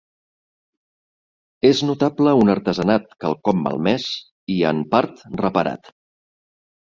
És notable un artesanat quelcom malmès i, en part, reparat.